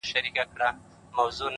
خدايه هغه زما د کور په لار سفر نه کوي؛